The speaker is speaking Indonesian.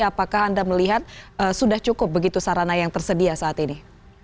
apakah anda melihat sudah cukup begitu sarana yang tersedia saat ini